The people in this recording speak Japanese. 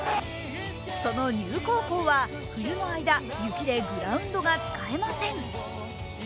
その丹生高校は冬の間雪でグラウンドが使えません。